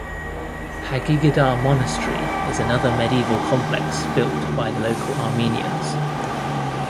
Hagigadar Monastery is another medieval complex built by the local Armenians.